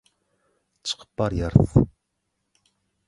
çykyp barýarys…